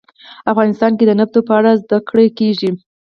افغانستان کې د نفت په اړه زده کړه کېږي.